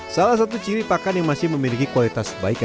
salah satu ciri pakan yang masih memiliki kualitas baik